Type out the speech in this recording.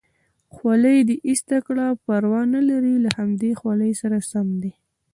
خولۍ دې ایسته کړه، پروا نه لري له همدې خولۍ سره سم دی.